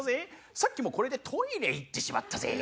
さっきもこれでトイレ行ってしまったぜ。